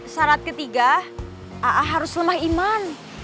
sarat ketiga a'a harus lemah iman